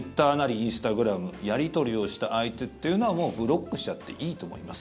インスタグラムやり取りをした相手というのはブロックしちゃっていいと思います。